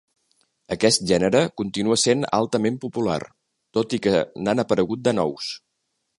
Aquest gènere continua sent altament popular, tot i que n'han aparegut de nous.